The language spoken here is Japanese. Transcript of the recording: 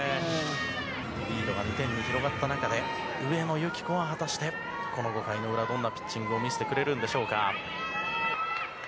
リードが２点に広がった中で、上野由岐子は果たして、この５回の裏、どんなピッチングを見せてくれるんでしょうか。